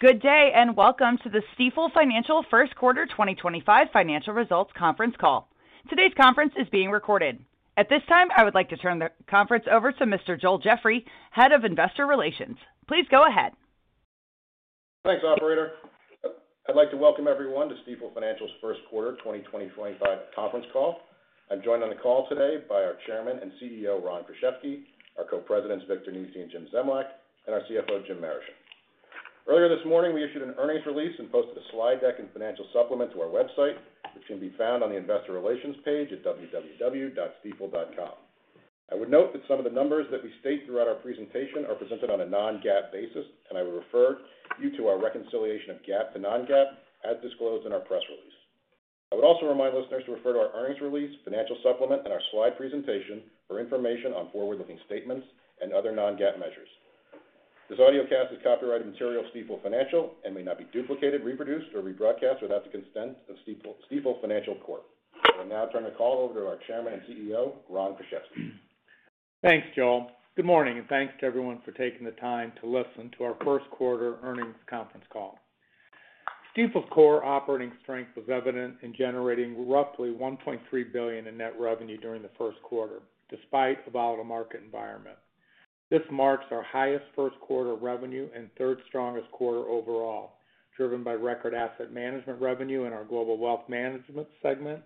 Good day and welcome to the Stifel Financial first quarter 2025 financial results conference call. Today's conference is being recorded. At this time, I would like to turn the conference over to Mr. Joel Jeffrey, Head of Investor Relations. Please go ahead. Thanks, operator. I'd like to welcome everyone to Stifel Financial's first quarter 2025 conference call. I'm joined on the call today by our Chairman and CEO Ron Kruszewski, our Co-Presidents Victor Nesi and Jim Zemlyak, and our CFO Jim Marischen. Earlier this morning we issued an earnings release and posted a slide deck and financial supplement to our website which can be found on the Investor Relations page at www.stifel.com. I would note that some of the numbers that we state throughout our presentation are presented on a non-GAAP basis and I would refer you to our reconciliation of GAAP to non-GAAP as disclosed in our press release. I would also remind listeners to refer to our earnings release, financial supplement, and our slide presentation for information on forward-looking statements and other non-GAAP measures. This audio cast is copyrighted material Stifel Financial and may not be duplicated, reproduced, or rebroadcast without the consent of Stifel Financial Corp. I will now turn the call over to our Chairman and CEO Ron Kruszewski. Thanks Joel. Good morning and thanks to everyone for taking the time to listen to our first quarter earnings conference call. Stifel's core operating strength was evident in generating roughly $1.3 billion in net revenue during the first quarter despite a volatile market environment. This marks our highest first quarter revenue and third strongest quarter overall, driven by record asset management revenue in our Global Wealth Management segment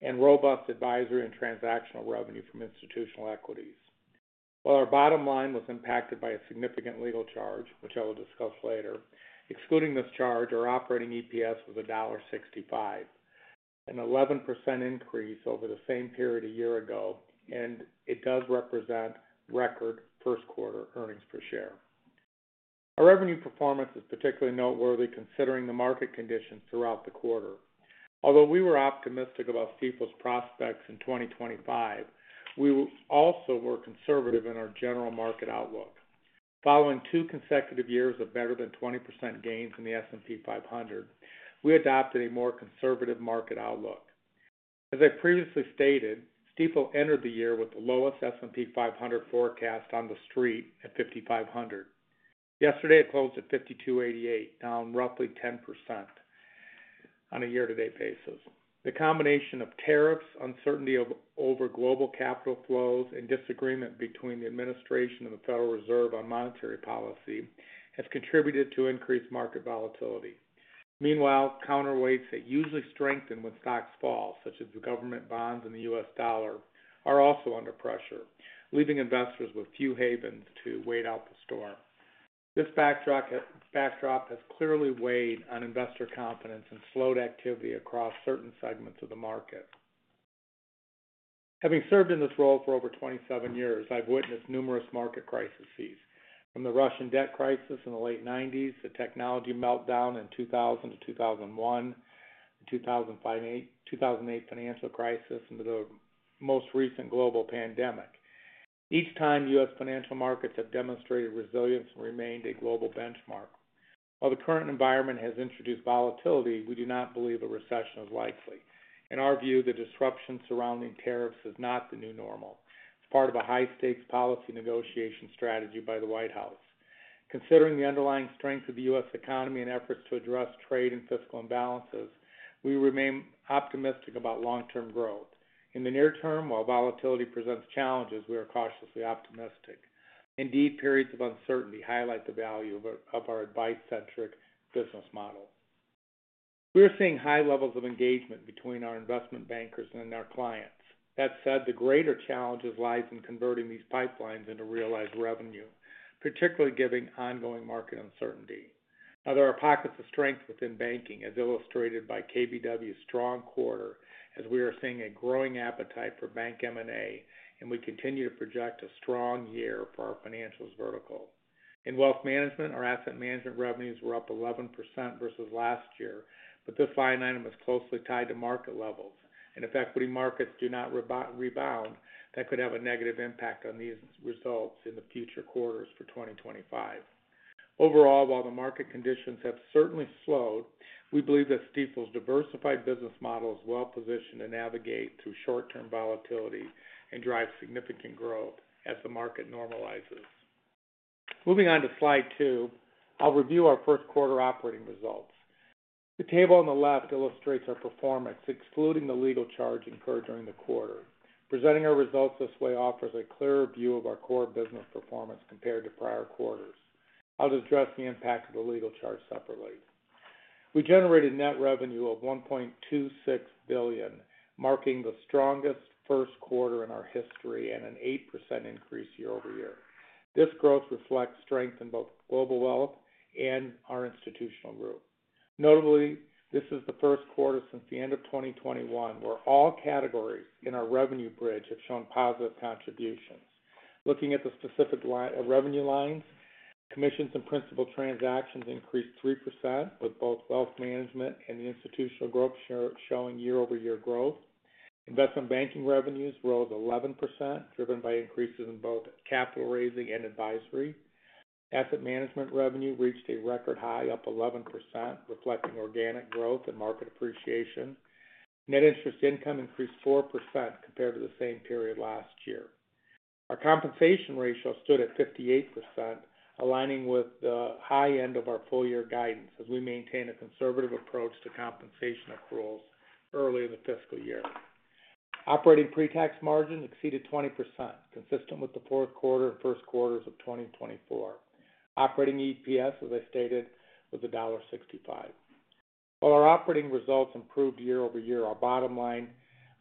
and robust advisory and transactional revenue from institutional equities. While our bottom line was impacted by a significant legal charge which I will discuss later. Excluding this charge, our operating EPS was $1.65, an 11% increase over the same period a year ago, and it does represent record first quarter earnings per share. Our revenue performance is particularly noteworthy considering the market conditions throughout the quarter. Although we were optimistic about Stifel's prospects in 2025, we also were conservative in our general market outlook. Following two consecutive years of better than 20% gains in the S&P 500, we adopted a more conservative market outlook. As I previously stated, Stifel entered the year with the lowest S&P 500 forecast on the Street at 5500. Yesterday it closed at 5288, down roughly 10% on a year to date basis. The combination of tariffs, uncertainty over global capital flows and disagreement between the Administration and the Federal Reserve on monetary policy has contributed to increased market volatility. Meanwhile, counterweights that usually strengthen when stocks fall, such as government bonds and the U.S. dollar, are also under pressure, leaving investors with few havens to wait out the storm. This backdrop has clearly weighed on investor confidence and slowed activity across certain segments of the market. Having served in this role for over 27 years, I've witnessed numerous market crises from the Russian debt crisis in the late 1990s, the technology meltdown in 2000-2001, the 2008 financial crisis and the most recent global pandemic. Each time, U.S. financial markets have demonstrated resilience and remained a global benchmark. While the current environment has introduced volatility, we do not believe a recession is likely. In our view, the disruption surrounding tariffs is not the new normal. It's part of a high-stakes policy negotiation strategy by the White House. Considering the underlying strength of the U.S. economy and efforts to address trade and fiscal imbalances, we remain optimistic about long-term growth in the near term. While volatility presents challenges, we are cautiously optimistic. Indeed, periods of uncertainty highlight the value of our advice-centric business model. We are seeing high levels of engagement between our investment bankers and our clients. That said, the greater challenge lies in converting these pipelines into realized revenue, particularly given ongoing market uncertainty. There are pockets of strength within banking as illustrated by KBW's strong quarter as we are seeing a growing appetite for Bank M&A and we continue to project a strong year for our financials vertical. In wealth management, our asset management revenues were up 11% versus last year. This line item is closely tied to market levels and if equity markets do not rebound, that could have a negative impact on these results in the future quarters for 2025. Overall, while the market conditions have certainly slowed, we believe that Stifel's diversified business model is well positioned to navigate through short term volatility and drive significant growth as the market normalizes. Moving to slide two, I'll review our first quarter operating results. The table on the left illustrates our performance excluding the legal charge incurred during the quarter. Presenting our results this way offers a clearer view of our core business performance compared to prior quarters. I'll address the impact of the legal charge. Separately, we generated net revenue of $1.26 billion, marking the strongest first quarter in our history and an 8% increase year-over-year. This growth reflects strength in both Global Wealth and our Institutional Group. Notably, this is the first quarter since the end of 2021 where all categories in our revenue bridge have shown positive contributions. Looking at the specific revenue lines, commissions and principal transactions increased 3% with both wealth management and the Institutional Group showing year-over-year growth. Investment banking revenues rose 11% driven by increases in both capital raising and advisory asset management. Revenue reached a record high, up 11%, reflecting organic growth and market appreciation. Net interest income increased 4% compared to the same period last year. Our compensation ratio stood at 58%, aligning with the high end of our full year guidance as we maintain a conservative approach to compensation accruals. Early in the fiscal year, operating pre-tax margin exceeded 20%, consistent with the fourth quarter and first quarters of 2024. Operating EPS as I stated was $1.65. While our operating results improved year-over-year, our bottom line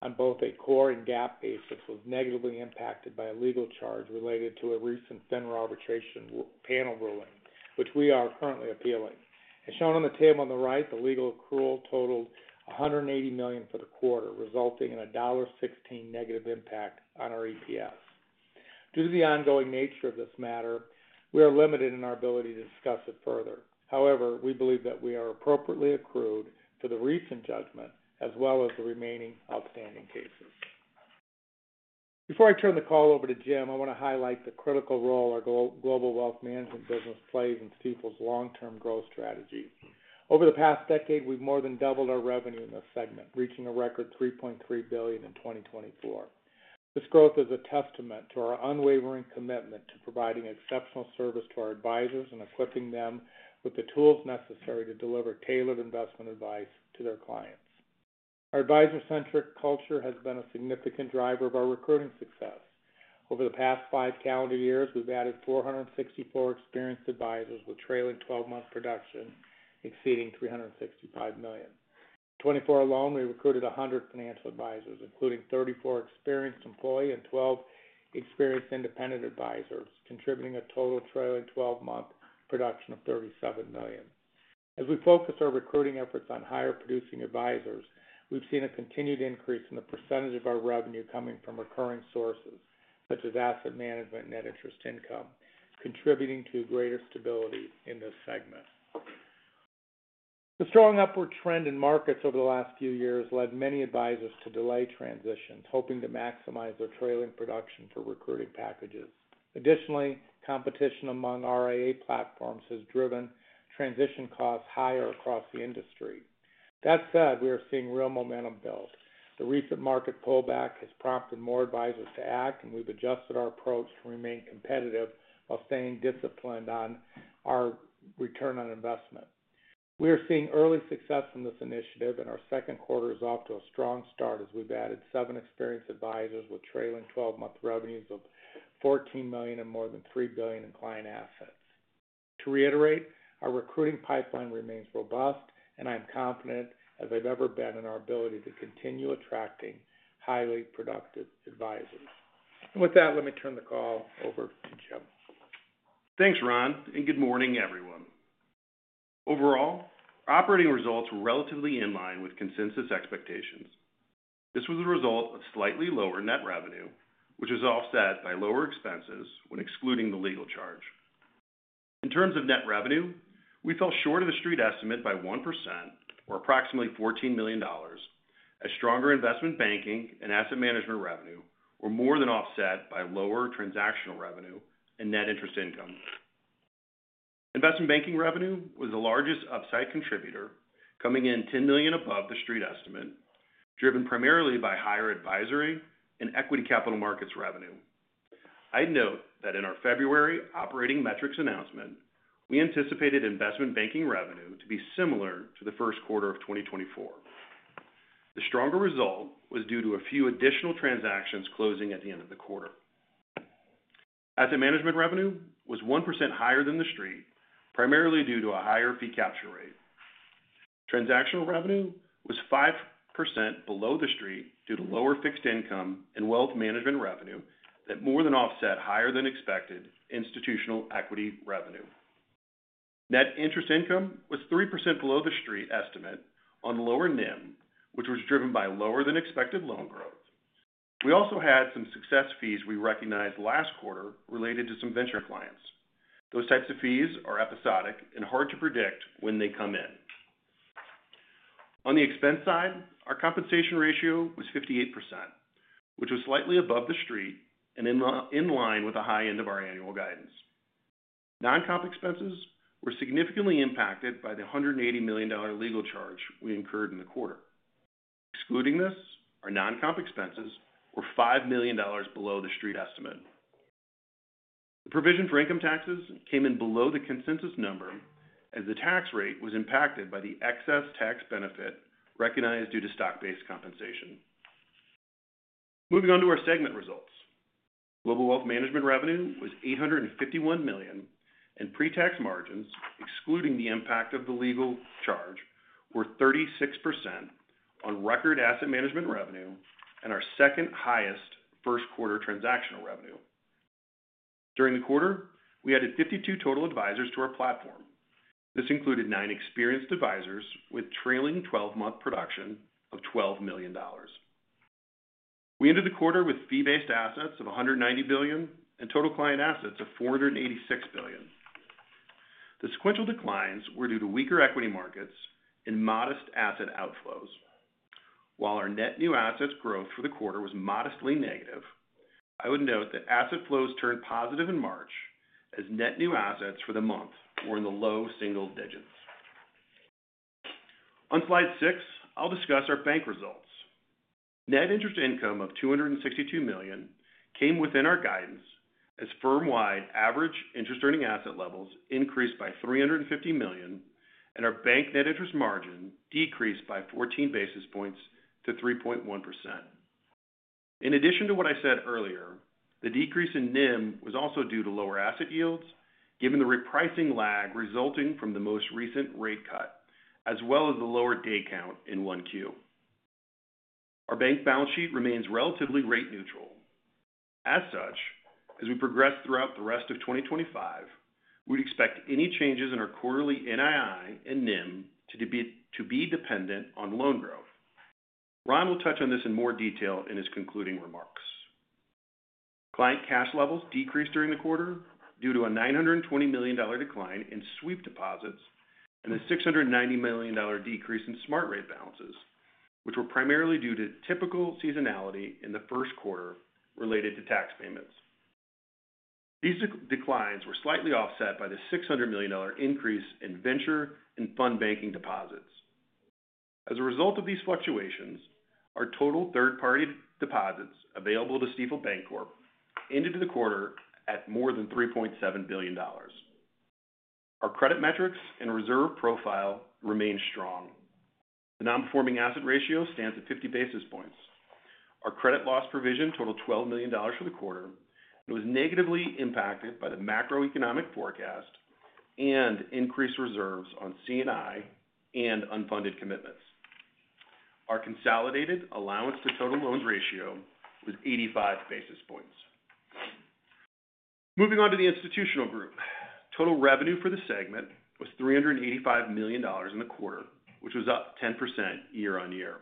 on both a core and GAAP basis was negatively impacted by a legal charge related to a recent FINRA arbitration panel ruling which we are currently appealing. As shown on the table on the right, the legal accrual totaled $180 million for the quarter, resulting in $1.16 negative impact on our EPS. Due to the ongoing nature of this matter, we are limited in our ability to discuss it further. However, we believe that we are appropriately accrued to the recent judgment as well as the remaining outstanding cases. Before I turn the call over to Jim, I want to highlight the critical role our Global Wealth Management business plays in Stifel's long term growth strategy. Over the past decade, we've more than doubled our revenue in this segment, reaching a record $3.3 billion in 2024. This growth is a testament to our unwavering commitment to providing exceptional service to our advisors and equipping them with the tools necessary to deliver tailored investment advice to their clients. Our advisor-centric culture has been a significant driver of our recruiting success. Over the past five calendar years we've added 464 experienced advisors with trailing 12 month production exceeding $365 million. In 2024 alone, we recruited 100 financial advisors including 34 experienced employee and 12 experienced independent advisors, contributing a total trailing 12 month production of $37 million. As we focus our recruiting efforts on higher producing advisors, we've seen a continued increase in the percentage of our revenue coming from recurring sources such as asset management and net interest income, contributing to greater stability in this segment. The strong upward trend in markets over the last few years led many advisors to delay transitions hoping to maximize their trailing production for recruiting packages. Additionally, competition among RIA platforms has driven transition costs higher across the industry. That said, we are seeing real momentum build. The recent market pullback has prompted more advisors to act and we've adjusted our approach to remain competitive while staying disciplined on our return on investment. We are seeing early success from this initiative and our second quarter is off to a strong start as we've added seven experienced advisors with trailing 12 month revenues of $14 million and more than $3 billion in client assets. To reiterate, our recruiting pipeline remains robust and I'm as confident as I've ever been in our ability to continue attracting highly productive advisors. With that, let me turn the call over to Jim. Thanks Ron and good morning everyone. Overall operating results were relatively in line with consensus expectations. This was a result of slightly lower net revenue which was offset by lower expenses when excluding the legal charge. In terms of net revenue, we fell short of the street estimate by 1% or approximately $14 million as stronger investment banking and asset management revenue were more than offset by lower transactional revenue and net interest income. Investment banking revenue was the largest upside contributor coming in $10 million above the street estimate, driven primarily by higher advisory and equity capital markets revenue. I'd note that in our February Operating Metrics announcement we anticipated investment banking revenue to be similar to the first quarter of 2024. The stronger result was due to a few additional transactions closing at the end of the quarter. Asset management revenue was 1% higher than the street primarily due to a higher fee capture rate. Transactional revenue was 5% below the street due to lower fixed income and wealth management revenue that more than offset higher than expected institutional equity revenue. Net interest income was 3% below the street estimate on lower NIM which was driven by lower than expected loan growth. We also had some success fees we recognized last quarter related to some venture clients. Those types of fees are episodic and hard to predict when they come in. On the expense side, our compensation ratio was 58% which was slightly above the street and in line with the high end of our annual guidance. Non-comp expenses were significantly impacted by the $180 million legal charge we incurred in the quarter. Excluding this, our non-comp expenses were $5 million below the street estimate. The provision for income taxes came in below the consensus number as the tax rate was impacted by the excess tax benefit recognized due to stock-based compensation. Moving on to our segment results, Global Wealth Management revenue was $851 million and pre-tax margins excluding the impact of the legal charge were 36% on record Asset Management Revenue and our second highest first quarter transactional revenue. During the quarter we added 52 total advisors to our platform. This included nine experienced advisors with trailing twelve-month production of $12 million. We ended the quarter with fee-based assets of $190 billion and total client assets of $486 billion. The sequential declines were due to weaker equity markets and modest asset outflows, while our net new assets growth for the quarter was modestly negative. I would note that asset flows turned positive in March as net new assets for the month were in the low single digits. On slide six, I'll discuss our bank results. Net interest income of $262 million came within our guidance as firmwide average interest earning asset levels increased by $350 million and our bank net interest margin decreased by 14 basis points to 3.1%. In addition to what I said earlier, the decrease in NIM was also due to lower asset yields. Given the repricing lag resulting from the most recent rate cut as well as the lower day count in 1Q, our bank balance sheet remains relatively rate-neutral. As such, as we progress throughout the rest of 2025, we'd expect any changes in our quarterly NII and NIM to be dependent on loan growth. Ron will touch on this in more detail in his concluding remarks. Client cash levels decreased during the quarter due to a $920 million decline in sweep deposits and a $690 million decrease in Smart Rate balances which were primarily due to typical seasonality in the first quarter related to tax payments. These declines were slightly offset by the $600 million increase in venture and fund banking deposits. As a result of these fluctuations, our total third-party deposits available to Stifel Bancorp ended the quarter at more than $3.7 billion. Our credit metrics and reserve profile remain strong. The non-performing asset ratio stands at 50 basis points. Our credit loss provision totaled $12 million for the quarter. It was negatively impacted by the macroeconomic forecast and increased reserves on C&I and unfunded commitments. Our consolidated allowance to total loans ratio was 85 basis points. Moving on to the Institutional Group, total revenue for the segment was $385 million in the quarter, which was up 10% year-on-year.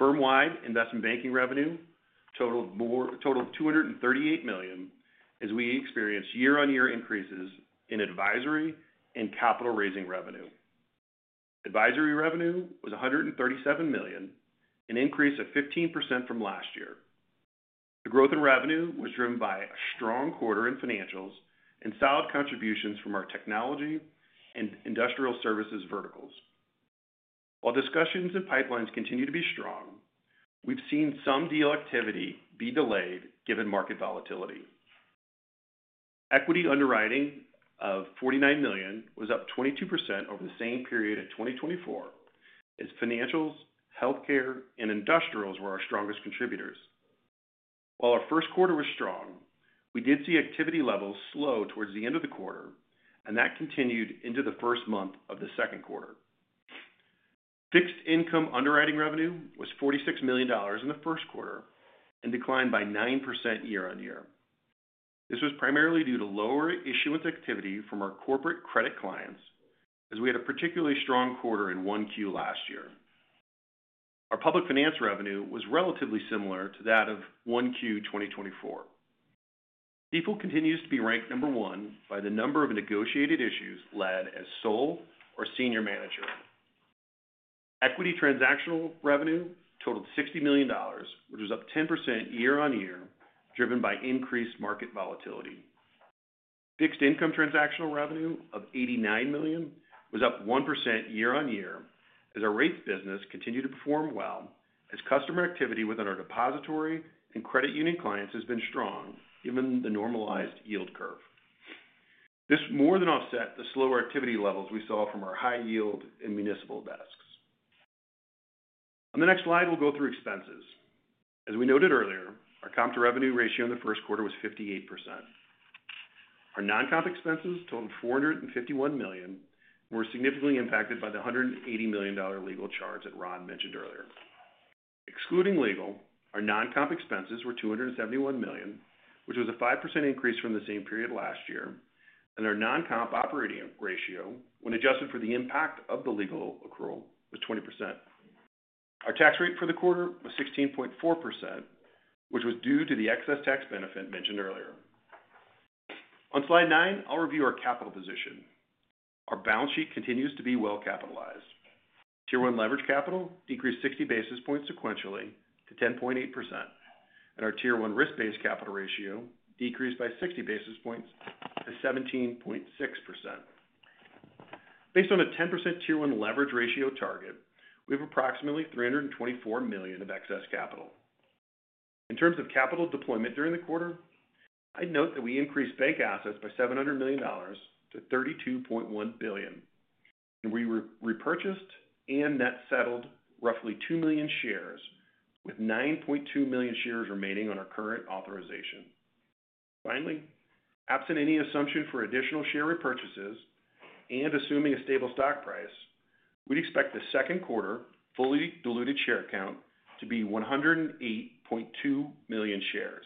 Firmwide investment banking revenue totaled $238 million as we experienced year on year increases in advisory and capital raising revenue. Advisory revenue was $137 million, an increase of 15% from last year. The growth in revenue was driven by a strong quarter in financials and solid contributions from our technology and industrial services verticals. While discussions and pipelines continue to be strong, we've seen some deal activity be delayed given market volatility. Equity underwriting of $49 million was up 22% over the same period in 2024 as financials, healthcare, and industrials were our strongest contributors. While our first quarter was strong, we did see activity levels slow towards the end of the quarter and that continued into the first month of the second quarter. Fixed income underwriting revenue was $46 million in the first quarter and declined by 9% year-on-year. This was primarily due to lower issuance activity from our corporate credit clients as we had a particularly strong quarter in 1Q last year. Our public finance revenue was relatively similar to that of 1Q 2024. Stifel continues to be ranked number one by the number of negotiated issues led as sole or senior manager. Equity transactional revenue totaled $60 million which was up 10% year on year driven by increased market volatility. Fixed income transactional revenue of $89 million was up 1% year-on-year as our rates business continued to perform well as customer activity within our depository and credit union clients has been strong. Given the normalized yield curve, this more than offset the slower activity levels we saw from our high yield and municipal desks. On the next slide, we'll go through expenses. As we noted earlier, our comp to revenue ratio in the first quarter was 58%. Our non-comp expenses totaled $451 million, were significantly impacted by the $180 million legal charge that Ron mentioned earlier. Excluding legal, our non-comp expenses were $271 million, which was a 5% increase from the same period last year, and our non-comp operating ratio, when adjusted for the impact of the legal accrual, was 20%. Our tax rate for the quarter was 16.4%, which was due to the excess tax benefit mentioned earlier. On slide nine, I'll review our capital position. Our balance sheet continues to be well capitalized. Tier 1 leverage capital decreased 60 basis points sequentially to 10.8%, and our Tier 1 risk-based capital ratio decreased by 60 basis points to 17.6%. Based on a 10% Tier 1 leverage ratio target, we have approximately $324 million of excess capital in terms of capital deployment during the quarter. I’d note that we increased bank assets by $700 million to $32.1 billion. We repurchased and net settled roughly 2 million shares with 9.2 million shares remaining on our current authorization. Finally, absent any assumption for additional share repurchases and assuming a stable stock price, we’d expect the second quarter fully diluted share count to be 108.2 million shares.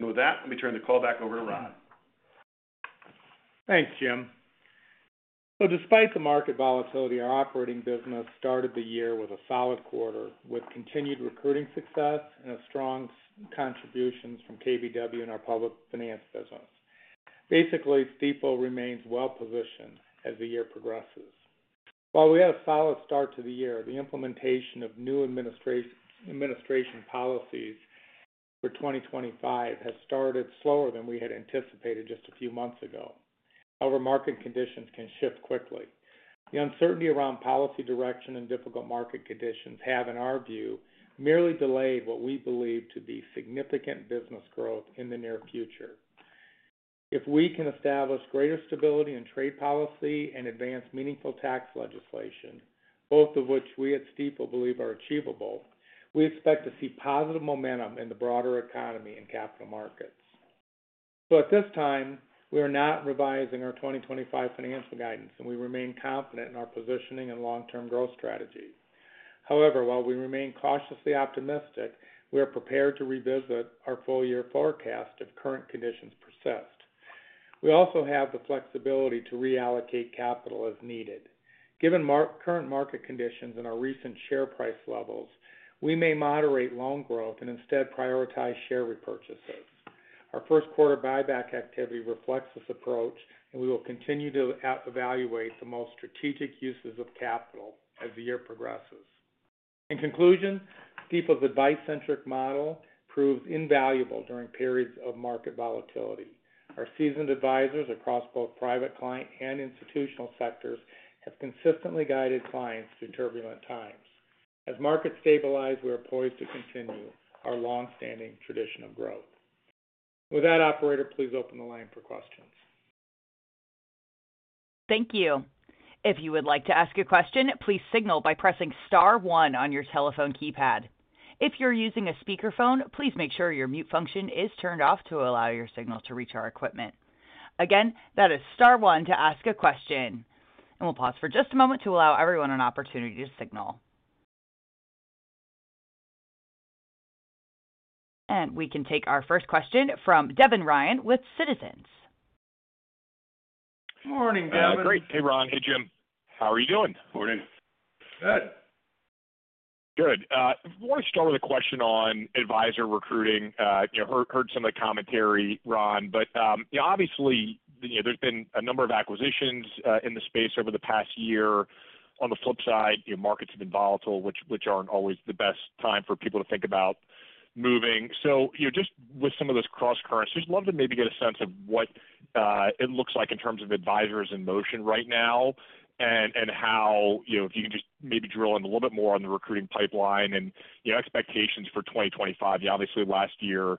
With that, let me turn the call back over to Ron. Thanks, Jim. Despite the market volatility, our operating business started the year with a solid quarter. With continued recruiting success and strong contributions from KBW and our public finance business. Basically, Stifel remains well positioned as the year progresses. While we had a solid start to the year, the implementation of new administration policies for 2025 has started slower than we had anticipated just a few months ago. However, market conditions can shift quickly. The uncertainty around policy direction and difficult market conditions have in our view merely delayed what we believe to be significant business growth in the near future. If we can establish greater stability in trade policy and advance meaningful tax legislation, both of which we at Stifel believe are achievable, we expect to see positive momentum in the broader economy and capital markets. At this time we are not revising our 2025 financial guidance and we remain confident in our positioning and long term growth strategy. However, while we remain cautiously optimistic, we are prepared to revisit our full year forecast if current conditions persist. We also have the flexibility to reallocate capital as needed. Given current market conditions and our recent share price levels, we may moderate loan growth and instead prioritize share repurchases. Our first quarter buyback activity reflects this approach and we will continue to evaluate the most strategic uses of capital as the year progresses. In conclusion, Stifel's advice-centric model proves invaluable during periods of market volatility. Our seasoned advisors across both private client and institutional sectors have consistently guided clients through turbulent times. As markets stabilize, we are poised to continue our long standing tradition of growth. With that, operator, please open the line for questions. Thank you. If you would like to ask a question, please signal by pressing star one on your telephone keypad. If you're using a speakerphone, please make sure your mute function is turned off to allow your signal to reach our equipment. Again, that is star one to ask a question. We'll pause for just a moment to allow everyone an opportunity to signal. We can take our first question from Devin Ryan with Citizens. Good morning, Devin. Great. Hey Ron. Hey Jim. How are you doing? Morning. Good, good. Want to start with a question on advisor recruiting? You know, heard some of the commentary, Ron, but obviously you, there's been a number of acquisitions in the space over the past year. On the flip side, markets have been volatile, which aren't always the best time for people to think about moving. Just with some of those cross currents, just love to maybe get a sense of what it looks like in terms of advisors in motion right now and how, if you can, just maybe drill in a little bit more on the recruiting pipeline and expectations for 2025. Obviously, last year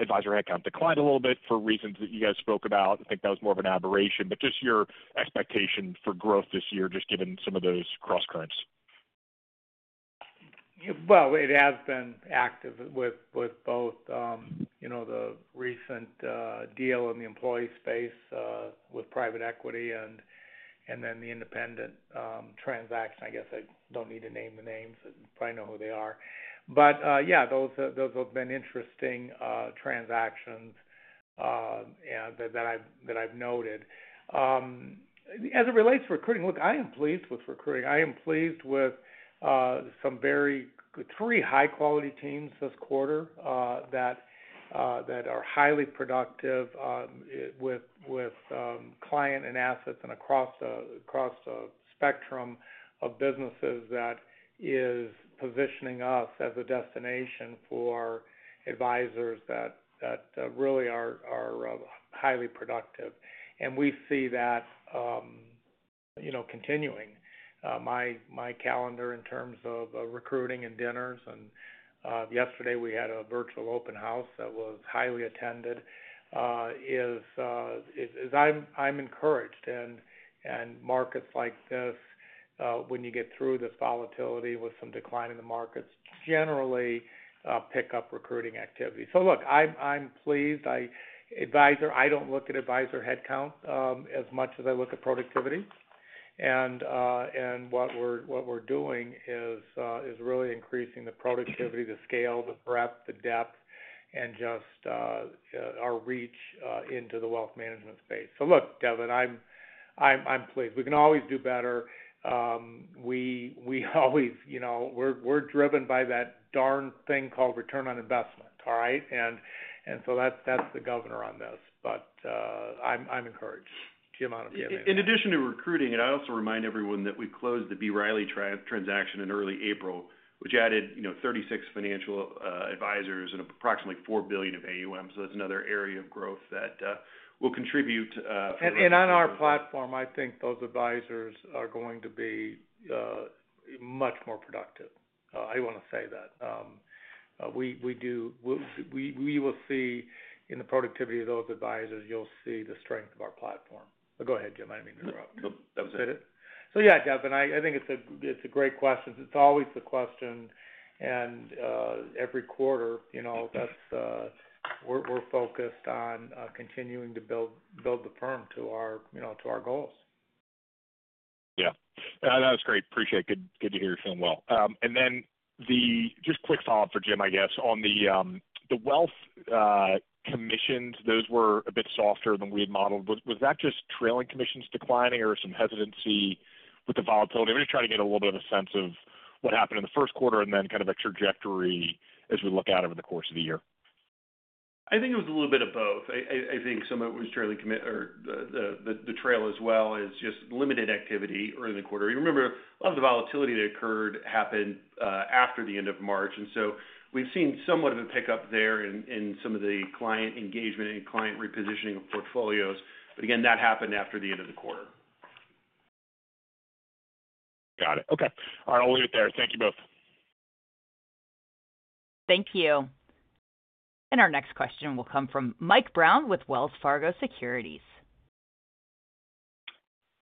advisory account declined a little bit for reasons that you guys spoke about. I think that was more of an aberration. Just your expectation for growth this year, just given some of those cross currents? It has been active with both, you know, the recent deal in the employee space with private equity and then the independent transaction. I guess I don't need to name the names, probably know who they are. Yeah, those have been interesting transactions that I've noted as it relates to recruiting. Look, I am pleased with recruiting. I am pleased with some very three high quality teams this quarter that are highly productive with client and assets and across, across a spectrum of businesses that is positioning us as a destination for advisors that really are highly productive. We see that continuing my calendar in terms of recruiting and dinners. Yesterday we had a virtual open house that was highly attended. I'm encouraged, and markets like this, when you get through this volatility with some decline in the markets, generally pick up recruiting activity. Look, I'm pleased, advisor. I don't look at advisor headcount as much as I look at productivity. What we're doing is really increasing the productivity, the scale, the breadth, the depth, and just our reach into the wealth management space. Look, Devin, I'm pleased. We can always do better. We always, you know, we're driven by that darn thing called return on investment. All right. That's the governor on this. I'm encouraged. In addition to recruiting, I also remind everyone that we closed the B. Riley transaction in early April which added, you know, 36 financial advisors and approximately $4 billion of AUM. So that's another area of growth that will contribute. On our platform I think those advisors are going to be much more productive. I want to say that we do. We will see in the productivity of those advisors, you'll see the strength of our platform. Go ahead, Jim. I did not mean to interrupt. That was it. Yeah, Devin, I think it's a great question. It's always the question and every quarter, you know, that's we're focused on continuing to build the firm to our, you know, to our goals. Yeah, that was great, appreciate it. Good to hear you're feeling well. The just quick follow up for Jim. I guess on the wealth commissions, those were a bit softer than we had modeled. Was that just trailing, commissions declining or some hesitancy with the volatility? We're just trying to get a little bit of a sense of what happened in the first quarter and then kind of a trajectory as we look out over the course of the year. I think it was a little bit of both. I think some of it was trailing or the trail as well is just limited activity early in the quarter. You remember, a lot of the volatility that occurred happened after the end of March. We have seen somewhat of a pickup there in some of the client engagement in client repositioning of portfolios. Again, that happened after the end of the quarter. Got it. Okay. All right, I'll leave it there. Thank you both. Thank you. Our next question will come from Mike Brown with Wells Fargo Securities.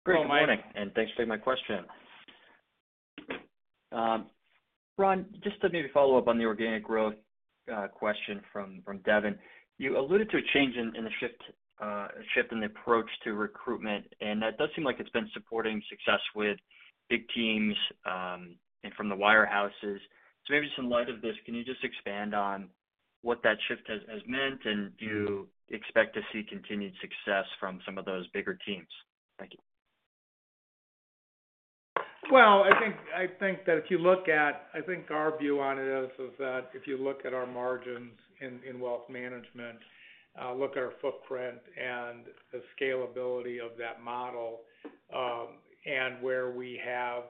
Great morning and thanks for taking my question. Ron, just to maybe follow up on the organic growth question from Devin. You alluded to a change in the shift. Shift in the approach to recruitment, and that does seem like it's been supporting success with big teams and from the wirehouses. Maybe just in light of this, can you just expand on what that shift has meant and do you expect to see continued success from some of those bigger teams? Thank you. I think that if you look at, I think our view on it is that if you look at our margins in wealth management, look at our footprint and the scalability of that model and where we have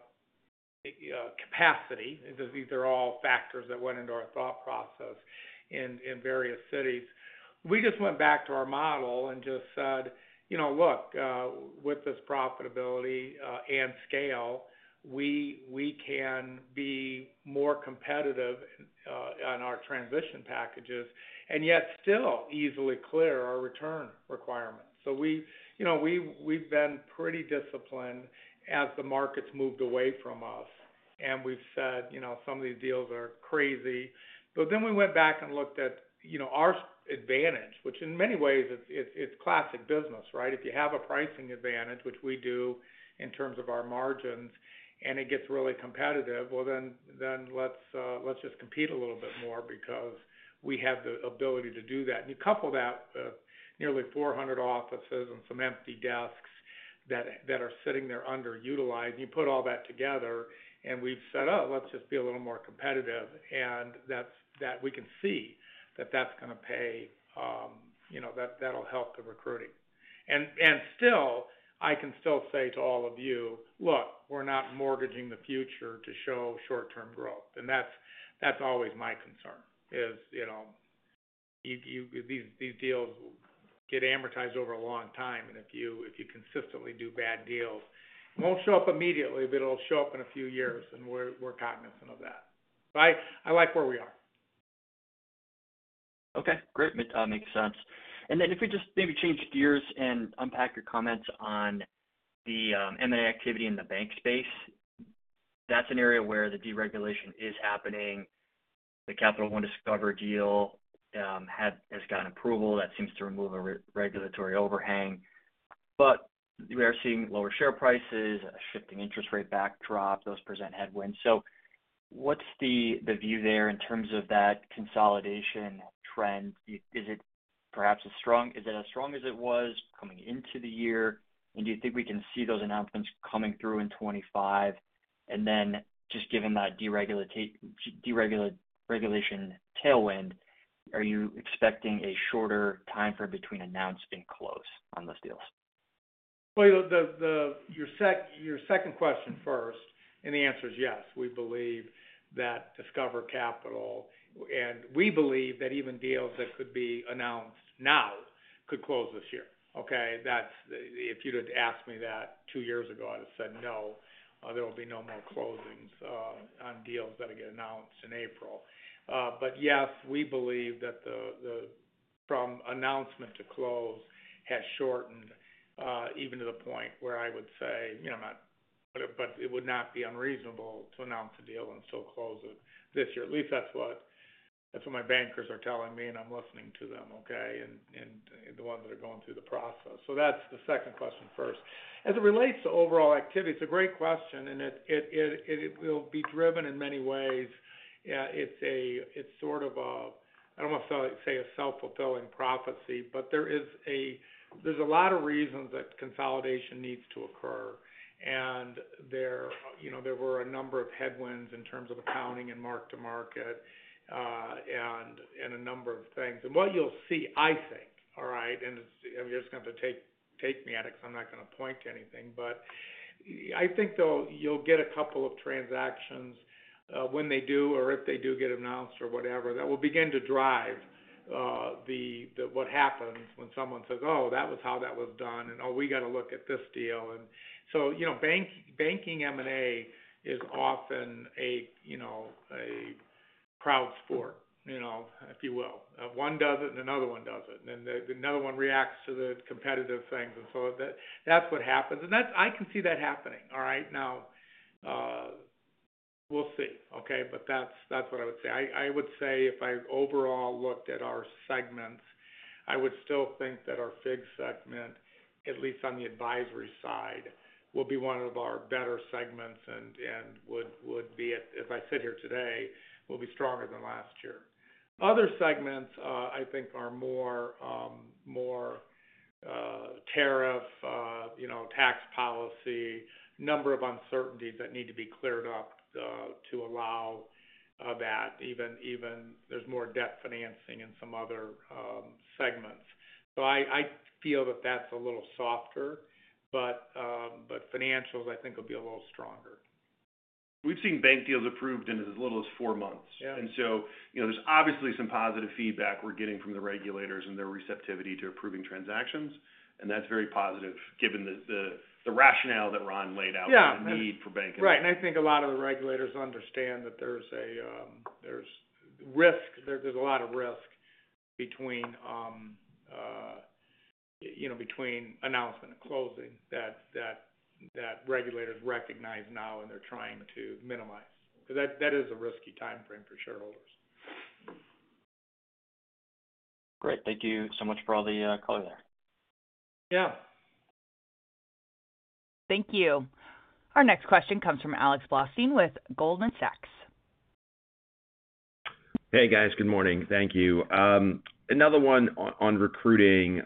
capacity, these are all factors that went into our thought process in various cities. We just went back to our model and just said, look, with this profitability and scale, we can be more competitive on our transition packages and yet still easily clear our return requirements. You know, we've been pretty disciplined as the markets moved away from us, and we've said, you know, some of these deals are crazy. We went back and looked at, you know, our advantage, which in many ways it's classic business, right? If you have a pricing advantage, which we do in terms of our margins, and it gets really competitive, let's just compete a little bit more because we have the ability to do that. You couple that with nearly 400 offices and some empty desks that are sitting there underutilized. You put all that together, and we've said, oh, let's just be a little more competitive and that we can see that that's going to pay. You know, that'll help the recruiting. I can still say to all of you, look, we're not mortgaging the future to show short term growth. That's always my concern, you know, these deals get amortized over a long time and if you consistently do bad deals, it won't show up immediately, but it'll show up in a few years. We're cognizant of that. I like where we are. Okay, great, makes sense. If we just maybe change gears and unpack your comments on the M&A activity in the bank space, that's an area where the deregulation is happening. The Capital One Discover deal has gotten approval that seems to remove a regulatory overhang. We are seeing lower share prices, shifting interest rate backdrop, those present headwinds. What's the view there in terms of that consolidation trend? Is it perhaps as strong, is it as strong as it was coming into the year? Do you think we can see those announcements coming through in 2025 and just given that deregulation tailwind, are you expecting a shorter time frame between announce and close on those deals? Your second question first. The answer is yes, we believe that Discover Capital, and we believe that even deals that could be announced now could close this year. If you'd asked me that two years ago, I'd have said no, there will be no more closings on deals that get announced in April. Yes, we believe that from announcement to close has shortened even to the point where I would say I'm not, but it would not be unreasonable to announce a deal and still close it this year. At least that's what my bankers are telling me and I'm listening to them. The ones that are going through the process. That is the second question. First, as it relates to overall activity, it's a great question and it will be driven in many ways. It's sort of, I don't want to say a self-fulfilling prophecy, but there is a, there's a lot of reasons that consolidation needs to occur and there were a number of headwinds in terms of accounting and mark to market and a number of things. What you'll see, I think, all right, and you're just going to have to take me at it because I'm not going to point to anything. I think you'll get a couple of transactions when they do or if they do get announced or whatever that will begin to drive what happens when someone says oh, that was how that was done and oh, we gotta look at this deal. You know, banking M&A is often, you know, a crowd sport, you know, if you will. One does it and another one does it and another one reacts to the competitive things. That is what happens. I can see that happening all right now. We'll see. Okay, but that is what I would say. I would say if I overall looked at our segments, I would still think that our FIG segment, at least on the advisory side, will be one of our better segments and would be, as I sit here today, will be stronger than last year. Other segments, I think are more tariff, you know, tax policy, number of uncertainties that need to be cleared up to allow of that. Even, even there is more debt financing in some other segments. I feel that that's a little softer, but financials, I think, will be a little stronger. We've seen bank deals approved in as little as four months. You know, there's obviously some positive feedback we're getting from the regulators and their receptivity to approving transactions. That's very positive given the rationale that Ron laid out, the need for banking. Right. I think a lot of the regulators understand that there's risk. There's a lot of risk between, you know, between announcement and closing that regulators recognize now and they're trying to minimize because that is a risky time frame for shareholders. Great. Thank you so much for all the color there. Yeah. Thank you. Our next question comes from Alex Blostein with Goldman Sachs. Hey, guys, good morning. Thank you. Another one on recruiting,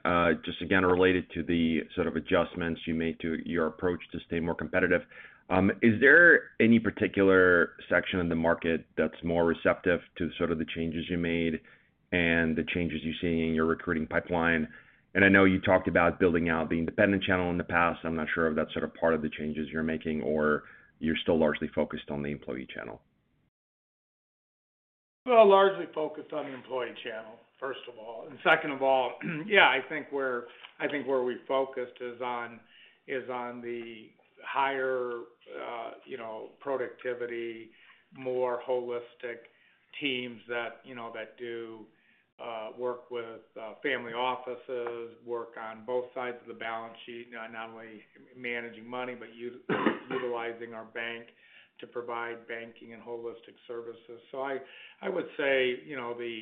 just again, related to the sort of adjustments you made to your approach to stay more competitive. Is there any particular section in the market that's more receptive to sort of the changes you made and the changes you see in your recruiting pipeline? I know you talked about building out the independent channel in the past. I'm not sure if that's sort of part of the changes you're making or you're still largely focused on the employee channel. Largely focused on the employee channel, first of all. Second of all, yeah, I think we're. I think where we focused is on the higher, you know, productivity, more holistic teams that, you know, that do work with family offices, work on both sides of the balance sheet, not only managing money, but utilizing our bank to provide banking and holistic services. I would say, you know, the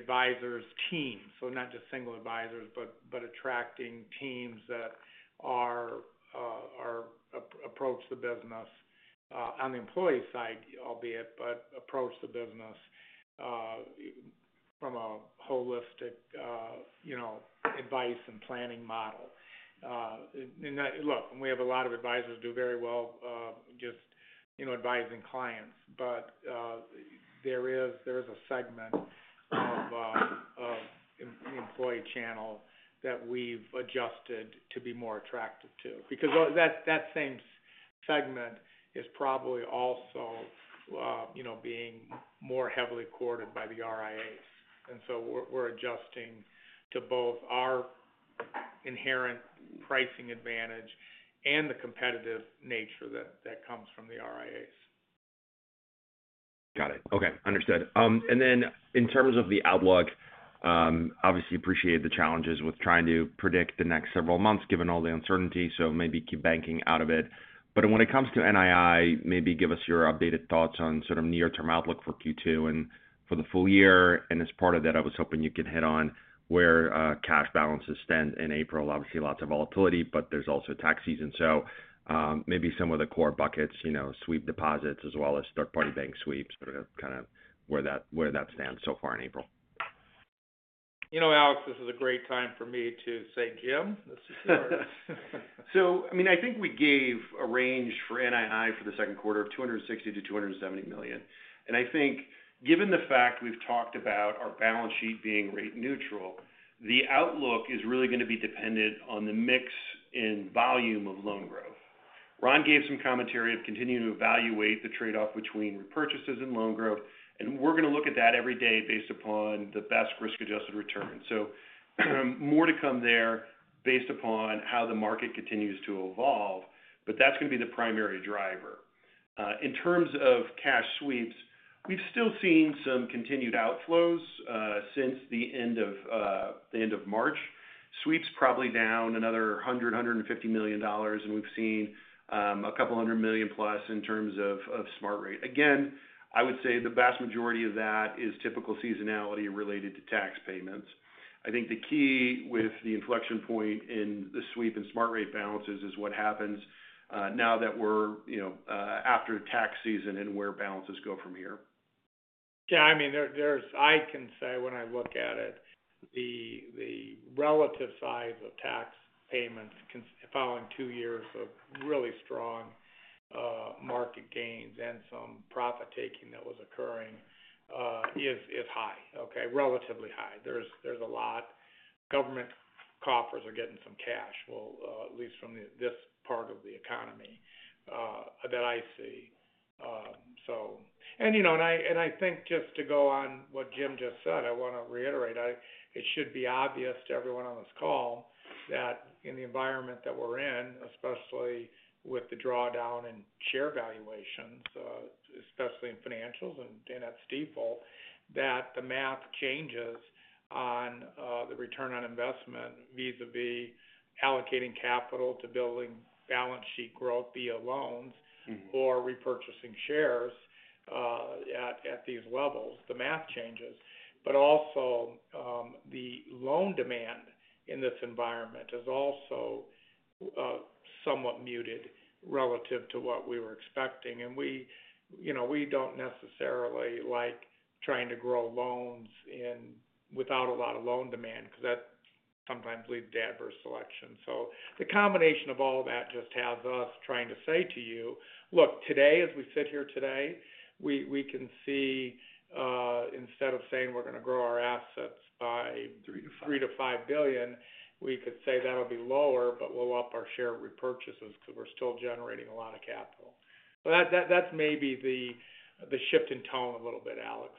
advisors team. Not just single advisors, but attracting teams that approach the business on the employee side, albeit, but approach the business from a holistic, you know, advice and planning model. Look, we have a lot of advisors do very well just, you know, advising clients. There is a segment of employee channel that we've adjusted to to be more attractive to because that same segment is probably also being more heavily courted by the RIAs. We are adjusting to both our inherent pricing advantage and the competitive nature that comes from the RIAs. Got it. Okay, understood. In terms of the outlook, obviously appreciate the challenges with trying to predict the next several months given all the uncertainty. Maybe out of it. When it comes to NII, maybe give us your updated thoughts on sort of near term outlook for Q2 and for the full year. As part of that, I was hoping you can hit on where cash balances stand in April. Obviously lots of volatility, but there's also tax season, so maybe some of the core buckets sweep deposits as well as third party bank sweeps, kind of where that stands so far in April. You know, Alex, this is a great time for me to say Jim. I mean I think we gave a range for NII for the second quarter of $260 million-$270 million. I think given the fact we've talked about our balance sheet being rate neutral, the outlook is really going to be dependent on the mix and volume of loan growth. Ron gave some commentary of continuing to evaluate the trade-off between repurchases and loan growth. We're going to look at that every day based upon the best risk-adjusted return. More to come there based upon how the market continues to evolve. That's going to be the primary driver. In terms of cash sweeps, we've still seen some continued outflows since the end of March, sweeps probably down another $150 million. We've seen a couple $100 million+ in terms of Smart Rate. Again, I would say the vast majority of that is typical seasonality related to tax payments. I think the key with the inflection point in the sweep in Smart Rate balances is what happens now that we're after tax season and where balances go from here. Yeah, I mean I can say when I look at it, the relative size of tax payments following two years of really strong market gains and some profit taking that was occurring is high. Okay, relatively high. There is a lot government coffers are getting some cash. At least from this part of the economy that I see. You know, I think just to go on what Jim just said, I want to reiterate, it should be obvious to everyone on this call that in the environment that we are in, especially with the drawdown in share valuations, especially in financials and at Stifel, that the math changes on the return on investment vis a vis allocating capital to building balance sheet growth via loans or repurchasing shares. At these levels, the math changes. Also, the loan demand in this environment is also somewhat muted relative to what we were expecting. We do not necessarily like trying to grow loans in without a lot of loan demand because that sometimes leads to adverse selection. The combination of all that just has us trying to say to you, look, today as we sit here today, we can see instead of saying we are going to grow our assets by $3 billion-$5 billion, we could say that will be lower but we will up our share repurchases because we are still generating a lot of capital. That is maybe the shift in tone a little bit, Alex.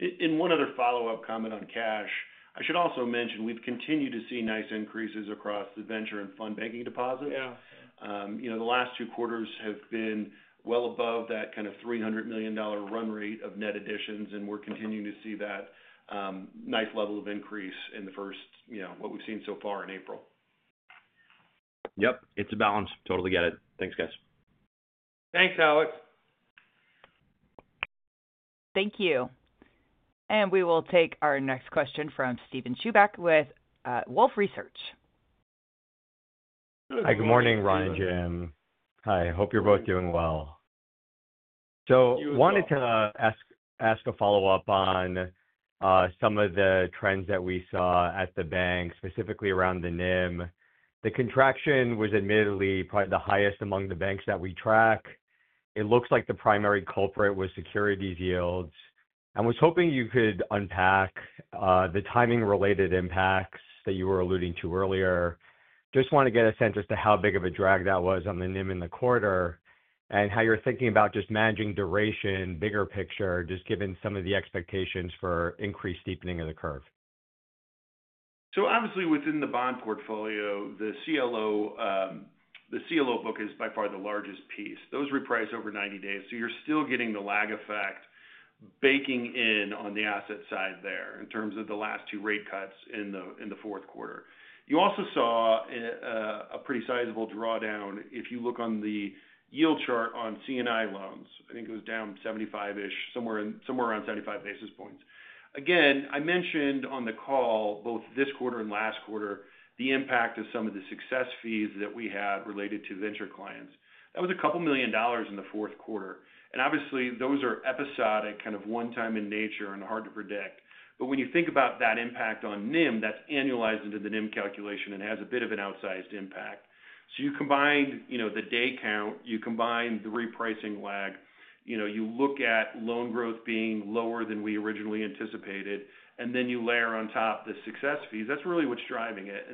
In one other follow up comment on Cash, I should also mention we've continued to see nice increases across the venture and fund banking deposit. You know, the last two quarters have been well above that kind of $300 million run rate of net additions and we're continuing to see that nice level of increase in the first, you know what we've seen so far in April. Yep, it's a balance. Totally get it. Thanks guys. Thanks Alex. Thank you. We will take our next question from Steven Chubak with Wolfe Research. Hi, good morning Ron and Jim. Hi. Hope you're both doing well. Wanted to ask a follow up on some of the trends that we saw at the bank specifically around the NIM. The contraction was admittedly probably the highest among the banks that we track. It looks like the primary culprit was securities yields and was hoping you could unpack the timing related impacts that you were alluding to earlier. Just want to get a sense as to how big of a drag that was on the NIM in the quarter and how you're thinking about just managing duration. Bigger picture just given some of the expectations for increased deepening of the curve. Obviously within the bond portfolio. The CLO book is by far the largest piece. Those reprice over 90 days. You are still getting the lag effect baking in on the asset side there. In terms of the last two rate cuts in the fourth quarter, you also saw a pretty sizable drawdown. If you look on the yield chart on CNI loans, I think it was down 75 ish, somewhere around 75 basis points. Again, I mentioned on the call both this quarter and last quarter, the impact of some of the success fees that we had related to venture clients, that was a couple million dollars in the fourth quarter. Obviously those are episodic, kind of one time in nature and hard to predict. When you think about that impact on NIM, that is annualized into the NIM calculation and has a bit of an outsized impact. You combine, you know, the day count, you combine the repricing lag, you know, you look at loan growth being lower than we originally anticipated and then you layer on top the success fees, that is really what is driving it.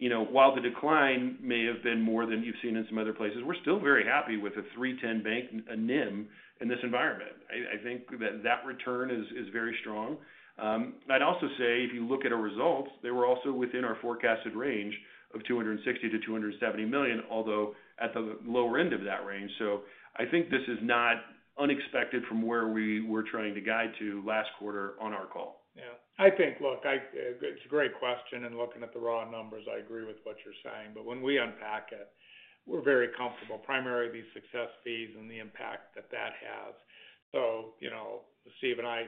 You know, while the decline may have been more than you have seen in some other places, we are still very happy with a 310 Bank NIM in this environment. I think that that return is very strong. I would also say if you look at our results, they were also within our forecasted range of $260 million-$270 million, although at the lower end of that range. I think this is not unexpected from where we were trying to guide to last quarter on our call. Yeah, I think, look, it's a great question and looking at the raw numbers, I agree with what you're saying, but when we unpack it, we're very comfortable, primarily these success fees and the impact that that has. You know, Steve, and I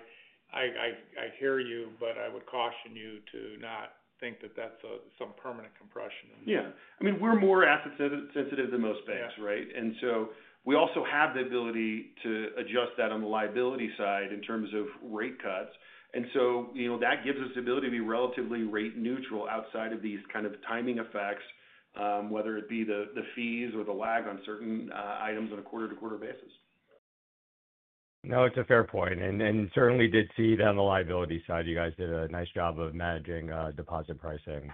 hear you, but I would caution you to not think that that's some permanent compression. Yeah, I mean, we're more asset sensitive than most banks. Right. And so we also have the ability to adjust that on the liability side in terms of rate cuts. And so, you know, that gives us the ability to be relatively rate neutral outside of these kind of timing effects, whether it be the fees or the lag on certain items on a quarter to quarter basis. No, it's a fair point and certainly did see that on the liability side, you guys did a nice job of managing deposit pricing.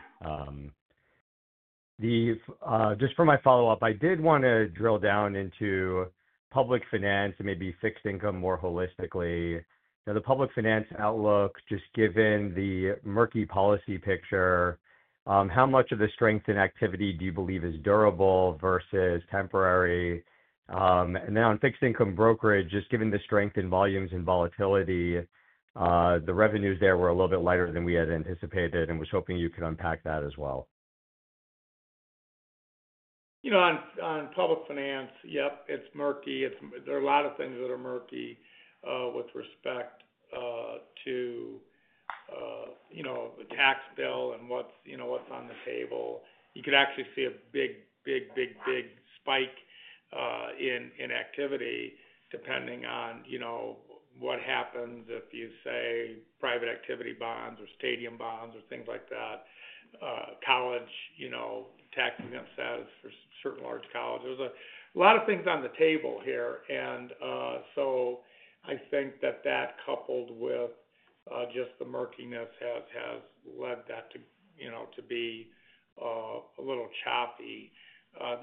Just for my follow up, I did want to drill down into public finance and maybe fixed income more holistically, the public finance outlook. Just given the murky policy picture, how much of the strength in activity do you believe is durable versus temporary? On fixed income brokerage, just given the strength in volumes and volatility, the revenues there were a little bit lighter than we had anticipated and was hoping you could unpack that as well. You know, on public finance. Yep, it's murky. There are a lot of things that are murky with respect to, you know, the tax bill and what's, you know, what's on the table, you could actually see a big, big, big, big spike in activity depending on, you know, what happens if you say private activity, bonds or stadium bonds or things like that. College, you know, tax-exempt status for certain large colleges, a lot of things on the table here. I think that that coupled with just the murkiness has led that to, you know, to be a little choppy.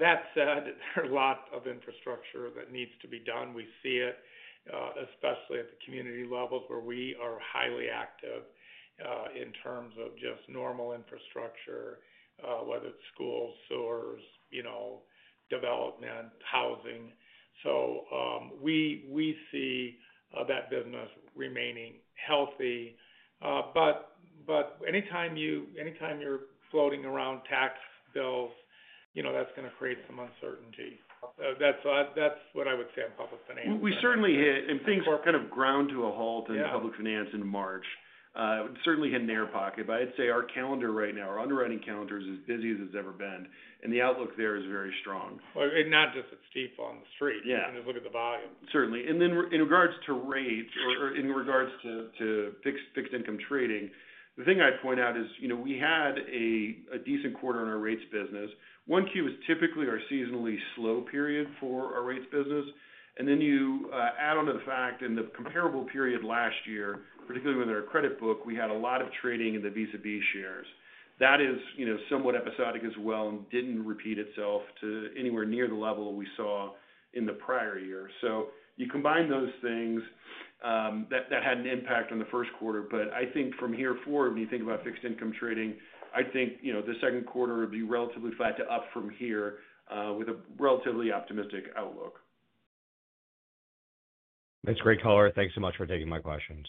That said, there are a lot of infrastructure that needs to be done. We see it especially at the community levels where we are highly active in terms of just normal infrastructure, whether it's schools, sewers, you know, development housing. We see that business remaining healthy. Anytime you're floating around tax bills, you know that's going to create some uncertainty. That's what I would say on public finance. We certainly hit and things kind of ground to a halt in public finance in March, certainly hit an air pocket. I'd say our calendar right now, our underwriting calendar, is as busy as it's ever been. The outlook there is very strong. Not just it's steep on the street. Just look at the volume. Certainly. In regards to rates or in regards to fixed income trading, the thing I'd point out is we had a decent quarter in our rates business. 1Q is typically our seasonally slow period for our rates business. You add on to the fact in the comparable period last year, particularly with our credit book, we had a lot of trading in the Visa B shares that is somewhat episodic as well and did not repeat itself to anywhere near the level we saw in the prior year. You combine those things that had an impact on the first quarter. I think from here forward, when you think about fixed income trading, I think the second quarter would be relatively flat to up from here with a relatively optimistic outlook. That's great, color. Thanks so much for taking my questions.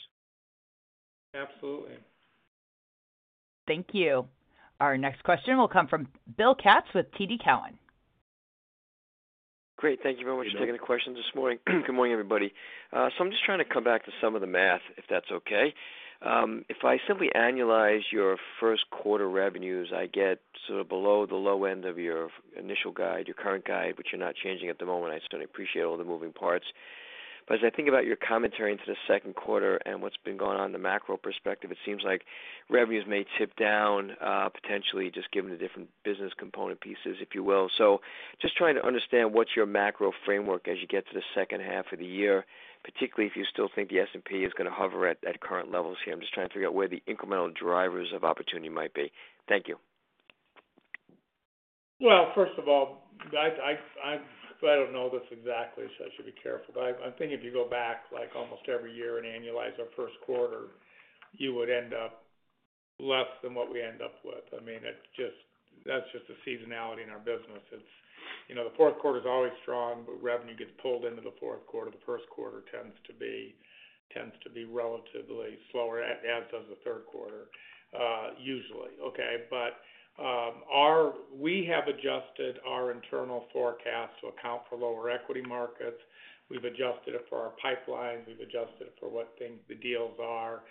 Absolutely. Thank you. Our next question will come from Bill Katz with TD Cowen. Great. Thank you very much for taking the questions this morning. Good morning, everybody. I am just trying to come back to some of the math, if that's okay. If I simply annualize your first quarter revenues, I get sort of below the low end of your initial guide, your current guide, which you're not changing at the moment. I certainly appreciate all the moving parts, but as I think about your commentary into the second quarter and what's been going on, the macro perspective, it seems like revenues may tip down potentially just given the different business component pieces, if you will. I am just trying to understand what's your macro framework as you get to the second half of the year, particularly if you still think the S&P 500 is going to hover at current levels here. I'm just trying to figure out where the incremental drivers of opportunity might be. Thank you. First of all, I don't know this exactly, so I should be careful. I think if you go back like almost every year and annualize our first quarter, you would end up less than what we end up with. I mean, that's just the seasonality in our business. You know, the fourth quarter is always strong, but revenue gets pulled into the fourth quarter. The first quarter tends to be relatively slower, as does the third quarter usually. Okay. Our, we have adjusted our internal forecast to account for lower equity markets. We've adjusted it for our pipeline, we've adjusted it for what the deals are.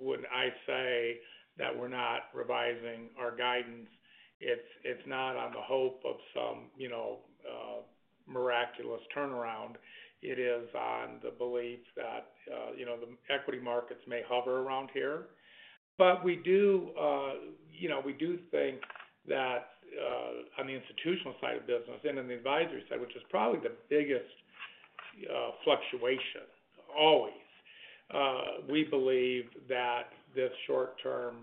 When I say that we're not revising our guidance, it's not on the hope of some miraculous turnaround. It is on the belief that the equity markets may hover around here. We do think that on the institutional side of business and on the advisory side, which is probably the biggest fluctuation always, we believe that this short term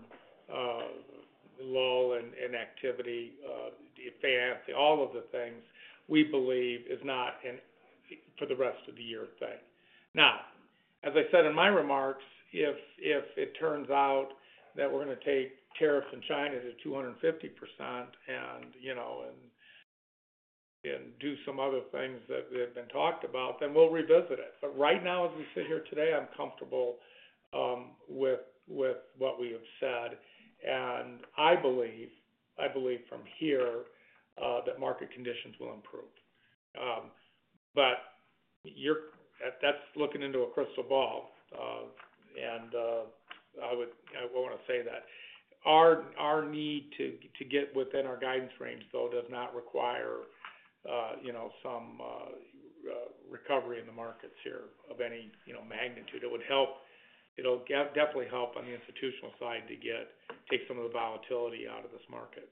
lull in activity, all of the things we believe is not for the rest of the year thing. Now, as I said in my remarks, if it turns out that we're going to take tariffs in China to 250% and, you know, and do some other things that have been talked about, then we'll revisit it. Right now, as we sit here today, I'm comfortable with what we have said and I believe, I believe from here that market conditions will improve. That's looking into a crystal ball. I want to say that our need to get within our guidance range though does not require some recovery in the markets here of any magnitude. It would help, it'll definitely help on the institutional side to take some of the volatility out of this market.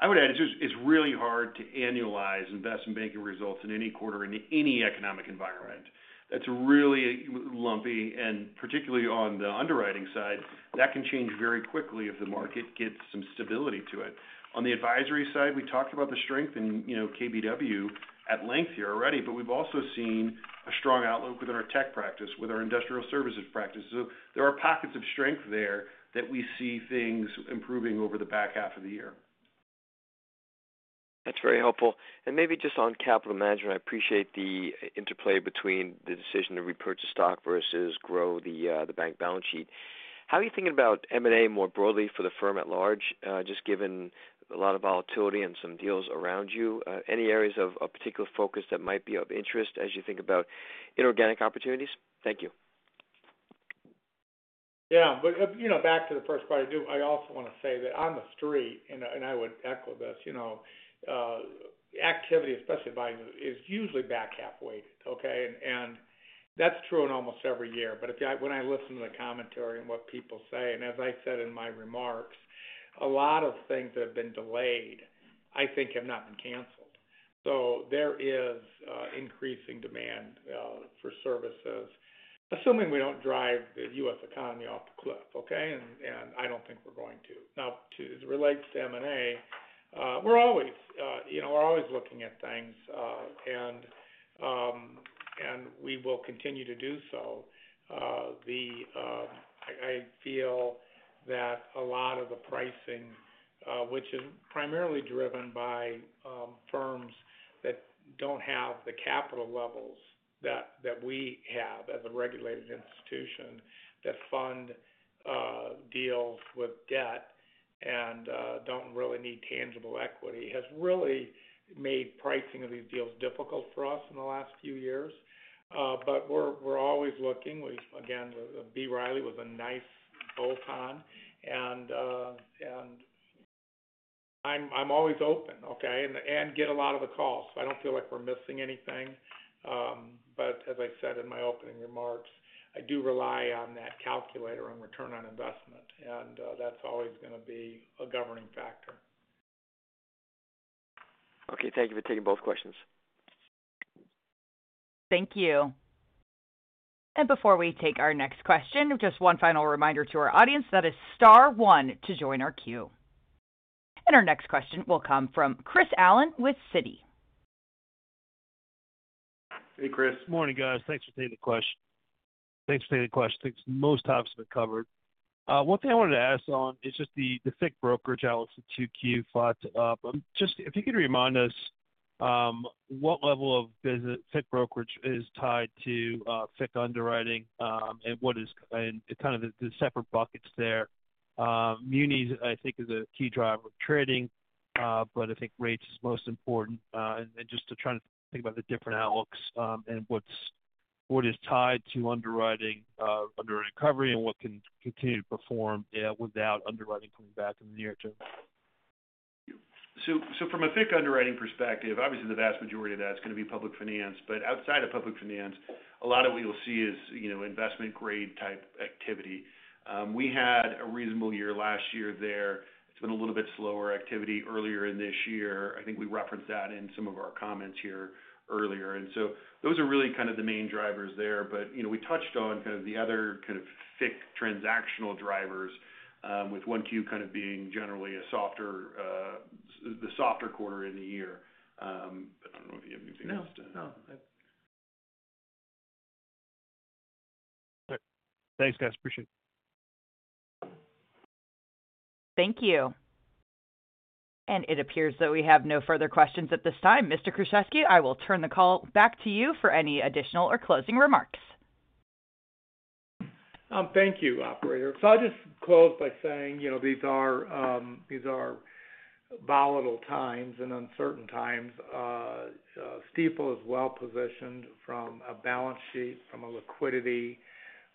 I would add it's really hard to annualize investment banking results in any quarter in any economic environment that's really lumpy and particularly on the underwriting side. That can change very quickly if the market gets some stability to it. On the advisory side, we talked about the strength in KBW at length here already. We have also seen a strong outlook within our tech practice, with our industrial services practice. There are pockets of strength there that we see things improving over the back half of the year. That's very helpful. Maybe just on capital management, I appreciate the interplay between the decision to repurchase stock versus grow the bank balance sheet. How are you thinking about M&A more broadly for the firm at large? Just given a lot of volatility and some deals around you. Any areas of particular focus that might be of interest as you think about inorganic opportunities? Thank you. Yeah. You know, back to the first part. I do. I also want to say that on the street and I would echo this, you know, activity especially is usually back-half weighted. Okay. That is true in almost every year. When I listen to the commentary and what people say and as I said in my remarks, a lot of things that have been delayed, I think have not been canceled. There is increasing demand for services, assuming we do not drive the U.S. economy off the cliff. Okay. I do not think we are going to. Now as it relates to M&A, we are always, you know, we are always looking at things and we will continue to do so. I feel that a lot of the pricing, which is primarily driven by firms that do not have the capital levels that we have as a regulated institution that fund deals with debt and do not really need tangible equity, has really made pricing of these deals difficult for us in the last few years. We are always looking again. B. Riley was a nice bolt-on and I am always open. Okay. I get a lot of the calls. I do not feel like we are missing anything. As I said in my opening remarks, I do rely on that calculator on return on investment and that is always going to be a governing factor. Okay. Thank you for taking both questions. Thank you. Before we take our next question, just one final reminder to our audience that it is star one to join our queue. Our next question will come from Chris Allen with Citi. Hey, Chris. Morning, guys. Thanks for taking the question. Most topics have been covered. One thing I wanted to ask on is just the FICC brokerage outlook, in 2Q if you could remind us what level of business FICC brokerage is tied to FICC underwriting and what is kind of the separate buckets there. Munis, I think, is a key driver of trading, but I think rates is most important and just to try to think about the different outlooks and what is tied to underwriting, underwriting recovery and what can continue to perform without underwriting coming back in the near term. From a FICC underwriting perspective, obviously the vast majority of that is going to be public finance. Outside of public finance, a lot of what you'll see is investment grade type activity. We had a reasonable year last year there. It's been a little bit slower activity earlier in this year. I think we referenced that in some of our comments here earlier. Those are really kind of the main drivers there. You know, we touched on kind of the other kind of FICC transactional drivers with 1Q kind of being generally a softer, the softer quarter in the year. I don't know if you have anything. No. No. Thanks, guys. Appreciate it. Thank you. It appears that we have no further questions at this time. Mr. Kruszewski, I will turn the call back to you for any additional or closing remarks. Thank you, operator. I'll just close by saying, these are volatile times and uncertain times. Stifel is well positioned from a balance sheet, from a liquidity,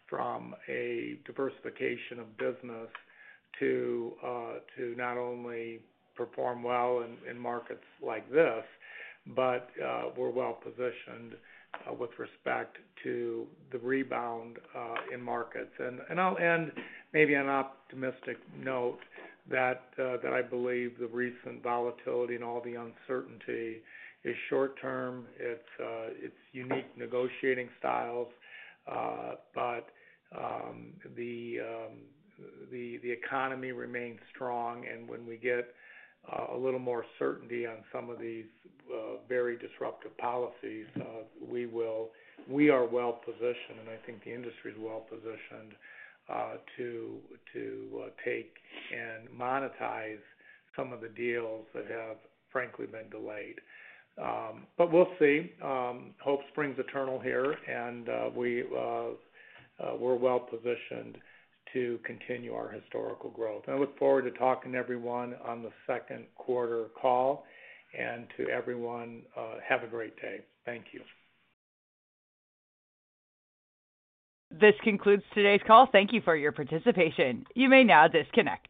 from a diversification of business to not only perform well in markets like this, but we are well positioned with respect to the rebound in markets. I will end maybe on an optimistic note that I believe the recent volatility and all the uncertainty is short term. It is unique negotiating styles, but the economy remains strong. When we get a little more certainty on some of these very disruptive policies, we will, we are well positioned, and I think the industry is well positioned to take and monetize some of the deals that have frankly been delayed. We will see. Hope springs eternal here and we are well positioned to continue our historical growth. I look forward to talking to everyone on the second quarter call. Everyone, have a great day. Thank you. This concludes today's call. Thank you for your participation. You may now disconnect.